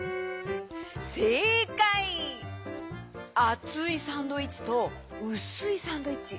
あついサンドイッチとうすいサンドイッチ。